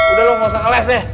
udah lu nggak usah keles ya